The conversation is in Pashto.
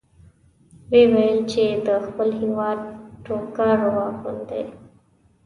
ویې ویل چې د خپل هېواد ټوکر واغوندئ.